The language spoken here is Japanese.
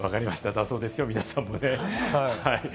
だそうですよ、皆さん。